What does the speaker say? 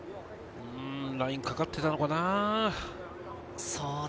ラインにかかってたのかな？